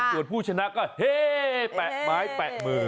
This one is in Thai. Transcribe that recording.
ส่วนผู้ชนะก็เฮ่แปะไม้แปะมือ